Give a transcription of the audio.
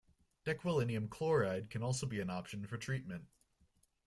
Dequalinium chloride can also be an option for treatment.